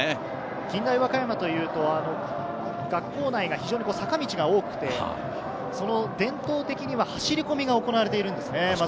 近大和歌山というと学校内が非常に坂道が多くて、伝統的には走り込みが行われているんですね。